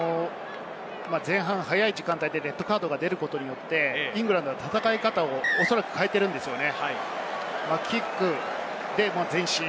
前半少ない時間帯でレッドカードが出ることによってイングランドは戦い方を変えているんですよね。